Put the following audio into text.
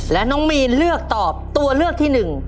และน้องมีนเลือกตอบตัวเลือกที่๑